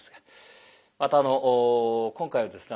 またあの今回はですね